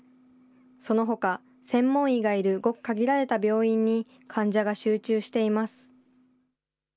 そのほか、専門医がいるごく限られた病院に患者が集中しています。